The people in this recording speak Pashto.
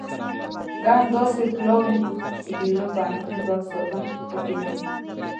ګڼ داسې پلاوي وو چې د یوه پوهنتون دوه استادان په کې نه وو.